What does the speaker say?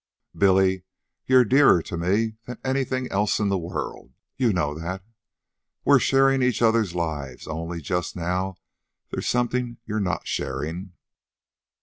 "Billy, you're dearer to me than anything else in the world. You know that. We're sharing each other's lives, only, just now, there's something you're not sharing.